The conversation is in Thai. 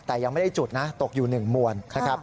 แต่ยังไม่ได้จุดนะตกอยู่๑มวล